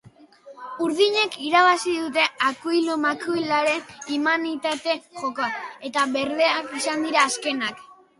Urdinek irabazi dute akuilu-makuiluen immunitate jokoa, eta berdeak izan dira azkenak.